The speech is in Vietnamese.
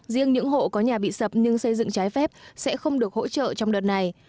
riêng những hộ có nhà bị sập nhưng xây dựng trái phép sẽ không được hỗ trợ trong đợt này